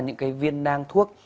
những cái viên nang thuốc